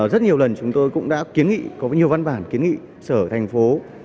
rất nhiều lần chúng tôi cũng đã kiến nghị có nhiều văn bản kiến nghị sở thành phố